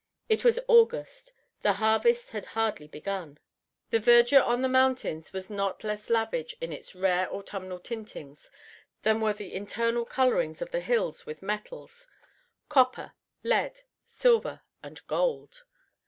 It was August; the harvest had hardly begun. The vendure on the mountains was not less lavish in its rare autumnal tintings than were the internal colorings of the hills with metals copper, lead, silver and gold.